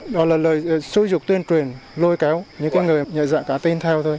đó là lời xô dục tuyên truyền lôi kéo những người nhận dạng cả tin theo thôi